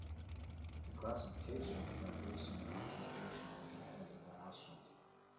The classifications are based on the occupation of the head of the household.